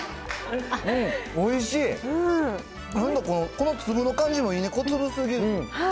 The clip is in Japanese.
この粒の感じもいいね、小粒すぎず。